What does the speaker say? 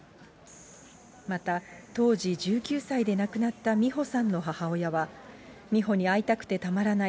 また、当時１９歳で亡くなった美帆さんの母親は、美帆に会いたくてたまらない。